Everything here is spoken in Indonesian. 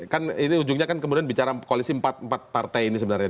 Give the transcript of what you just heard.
kan ini ujungnya kan kemudian bicara koalisi empat empat partai ini sebenarnya